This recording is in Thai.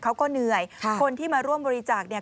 เขาก็เหนื่อยคนที่มาร่วมบริจาคเนี่ย